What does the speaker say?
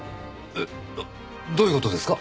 えっどういう事ですか？